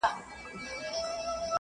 د مرګي هسي نوم بدنام دی.